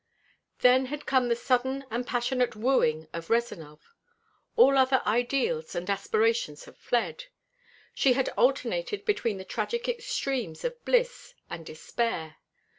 Then had come the sudden and passionate wooing of Rezanov. All other ideals and aspirations had fled. She had alternated between the tragic extremes of bliss and despair.